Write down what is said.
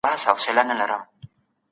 که اوبه وي، نو ژوند به وي.